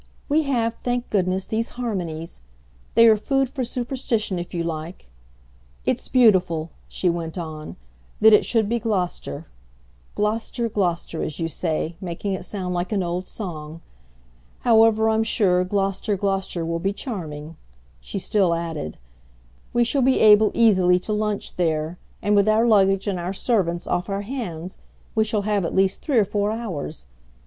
We have, thank goodness, these harmonies. They are food for superstition if you like. It's beautiful," she went on, "that it should be Gloucester; 'Glo'ster, Glo'ster,' as you say, making it sound like an old song. However, I'm sure Glo'ster, Glo'ster will be charming," she still added; "we shall be able easily to lunch there, and, with our luggage and our servants off our hands, we shall have at least three or four hours.